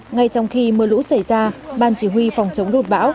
ngay trong khi mưa lũ xảy ra ban chỉ huy phòng chống lụt bão